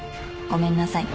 ごめんなさい」